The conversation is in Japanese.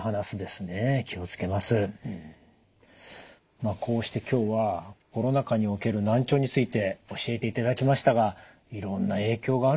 まあこうして今日はコロナ禍における難聴について教えていただきましたがいろんな影響があるもんですね。